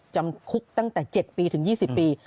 จำคุกตั้งแต่๗ปีถึง๒๐ปี